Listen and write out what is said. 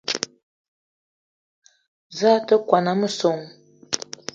Za a te kwuan a messong?